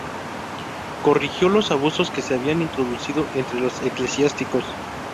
Corrigió los abusos que se habían introducido entre los eclesiásticos.